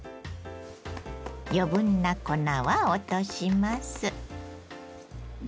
余分な粉は落とします。